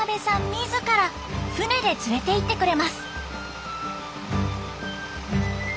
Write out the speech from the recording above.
自ら船で連れて行ってくれます。